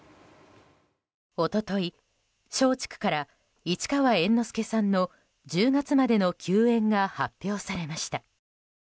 一昨日、松竹から市川猿之助さんの１０月までの休演が発表されました。